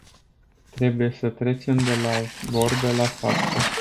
Trebuie să trecem de la vorbe la fapte.